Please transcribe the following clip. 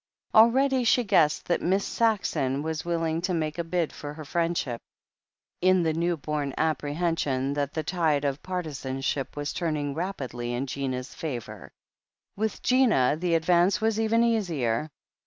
Already she guessed that Miss Saxon was willing to make a bid for her friendship, in the new bom apprehension that the tide of partisanship was turning rapidly in Gina's favour. With Gina, the advance was even easier.